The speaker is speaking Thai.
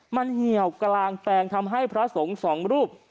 มันเหี่ยวกลางแปลงทำให้พระสงฆ์สองรูป